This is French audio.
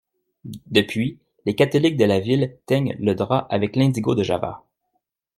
Depuis, les catholiques de la ville teignent le drap avec l'indigo de Java.